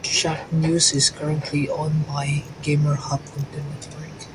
Shacknews is currently owned by Gamerhub Content Network.